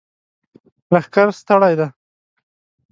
لښکر ستړی دی!